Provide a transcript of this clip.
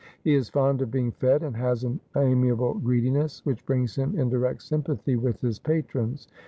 He is fond of being fed, and has an amiable greediness, which brings him in direct sympathy with his patrons.